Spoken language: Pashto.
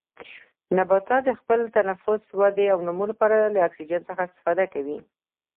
نباتات د خپل تنفس، ودې او نمو لپاره له اکسیجن څخه استفاده کوي.